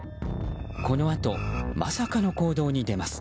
このあと、まさかの行動に出ます。